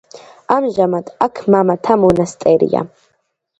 ამჟამად აქ მამათა მონასტერია.